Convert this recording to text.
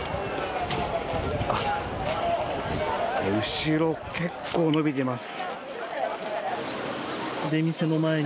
後ろ、結構延びています。